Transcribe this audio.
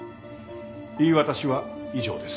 言い渡しは以上です。